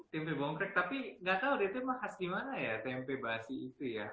tempe bongkrek tapi nggak tahu deh tem mah khas gimana ya tempe basi itu ya